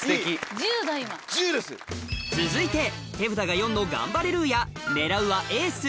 続いて手札が４のガンバレルーヤ狙うはエース